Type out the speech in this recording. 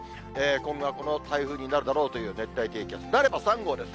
今後はこの台風になるだろうという熱帯低気圧、なれば３号です。